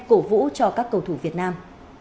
cổ vũ cho các cầu thủ việt nam